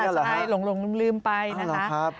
ใช่หลงลืมไปนะคะ